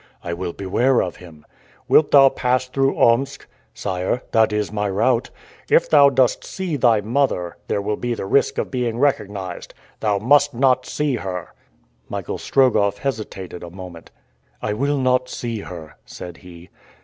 "I will beware of him." "Wilt thou pass through Omsk?" "Sire, that is my route." "If thou dost see thy mother, there will be the risk of being recognized. Thou must not see her!" Michael Strogoff hesitated a moment. "I will not see her," said he.